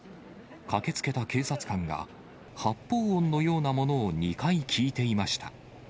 駆けつけた警察官が、発砲音のようなものを２回聞いていました。